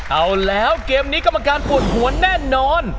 เอาแล้วเกมนี้กรรมการปวดหัวแน่นอน